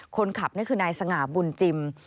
คนขับนี่คือนายสง่าบุญจิม